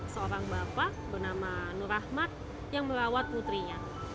seorang bapak bernama nur rahmat yang merawat putrinya